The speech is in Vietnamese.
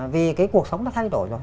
vì cái cuộc sống nó thay đổi rồi